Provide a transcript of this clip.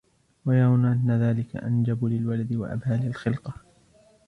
وَيَرَوْنَ أَنَّ ذَلِكَ أَنْجَبُ لِلْوَلَدِ وَأَبْهَى لِلْخِلْقَةِ